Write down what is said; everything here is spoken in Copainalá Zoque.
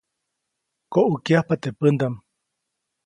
Koʼäkyajpa teʼ pändaʼm.